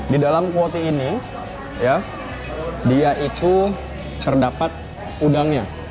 di dalam kuoti ini dia itu terdapat udangnya